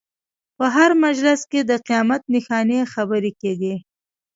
په هر مجلس کې د قیامت نښانې خبرې کېدې.